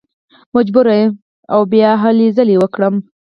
مجبوره یم بیا او بیا هلې ځلې وکړم.